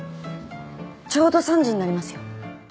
ちょうど３時になりますよ。